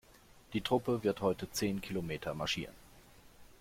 Die Truppe wird heute zehn Kilometer marschieren.